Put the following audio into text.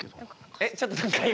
えっちょっと何か今？